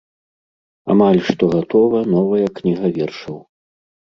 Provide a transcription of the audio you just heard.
Амаль што гатова новая кніга вершаў.